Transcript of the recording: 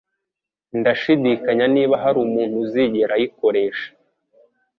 ndashidikanya niba hari umuntu uzigera ayikoresha.